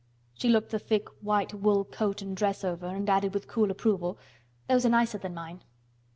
She looked the thick white wool coat and dress over, and added with cool approval: "Those are nicer than mine."